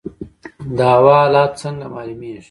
د هوا حالات څنګه معلومیږي؟